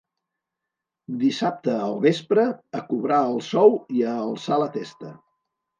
Dissabte al vespre, a cobrar el sou i a alçar la testa.